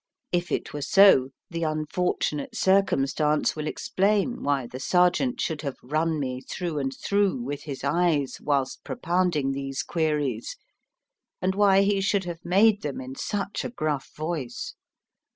If it were so, the unfortunate circumstance will explain why the sergeant should have run me through and through with his eyes whilst propounding these queries, and why he should have made them in such a gruff voice.